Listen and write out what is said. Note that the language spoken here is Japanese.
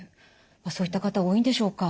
そういった方多いんでしょうか？